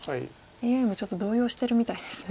ＡＩもちょっと動揺してるみたいです。